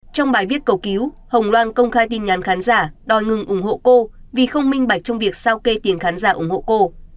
trong bài viết cầu cứu hồng loan công khai tin nhắn khán giả đòi ngừng ủng hộ cô vì không minh bạch trong việc sao kê tiền khán giả ủng hộ cô